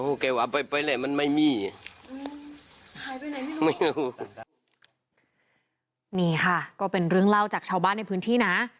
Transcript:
นี่หายไปไหนไม่รู้นี่ค่ะก็เป็นเรื่องเล่าจากชาวบ้านในพื้นที่นะ